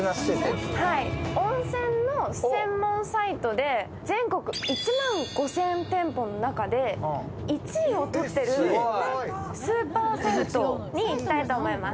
温泉の専門サイトで全国１万５０００店舗の中で１位をとっているスーパー銭湯に行きたいと思います。